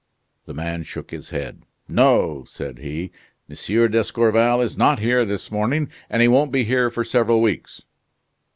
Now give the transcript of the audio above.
The man shook his head. "No," said he, "M. d'Escorval is not here this morning, and he won't be here for several weeks."